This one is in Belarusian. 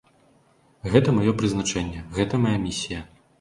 Гэта маё прызначэнне, гэта мая місія.